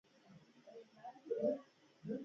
زردالو د افغان کلتور په پخوانیو داستانونو کې راځي.